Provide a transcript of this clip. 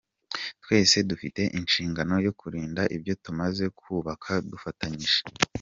Twese dufite inshingano yo kurinda ibyo tumaze kubaka dufatanyije.